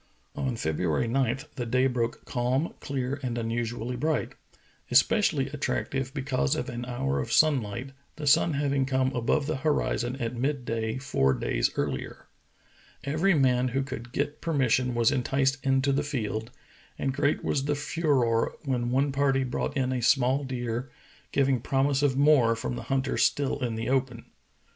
On February 9 the day broke calm, clear, and unusu ally bright; especially attractive because of an hour of sunlight, the sun having come above the horizon at mid day four days earlier. Every man who could get per mission was enticed into the field, and great was the furore when one party brought in a small deer, giv ing promise of more from the hunters still in the open.